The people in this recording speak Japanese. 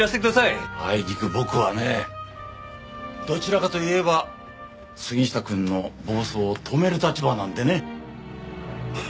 あいにく僕はねどちらかといえば杉下くんの暴走を止める立場なんでね。